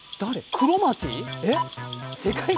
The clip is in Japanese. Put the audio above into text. クロマティ？